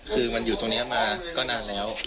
คือมันอยู่ตรงนี้มาก็นานแล้ว